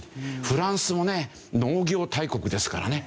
フランスもね農業大国ですからね。